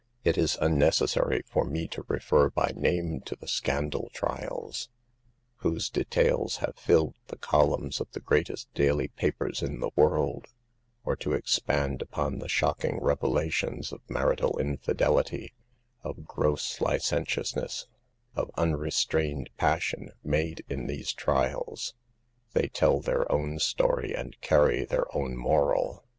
It is unnecessary for me to refer by name to the scandal trials, whose details have filled the columns of the greatest daily papers in the world, or to expand upon the shocking revelations of mar ital infidelity, of gross licentiousness, of unre * strained passion, made in these trials. They tell their own story and carry their own moral.